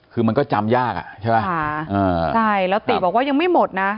คือมันก็จำยากอ่ะใช่ไหมค่ะอ่าใช่แล้วติบอกว่ายังไม่หมดนะ